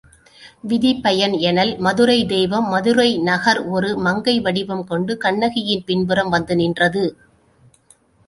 விதிப்பயன் எனல் மதுரைத் தெய்வம் மதுரை நகர் ஒரு மங்கை வடிவம் கொண்டு கண்ணகியின் பின்புறம் வந்து நின்றது.